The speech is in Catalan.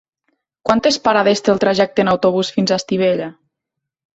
Quantes parades té el trajecte en autobús fins a Estivella?